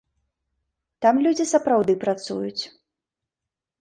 Там людзі сапраўды працуюць.